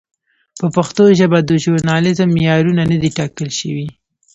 په پښتو ژبه د ژورنالېزم معیارونه نه دي ټاکل شوي.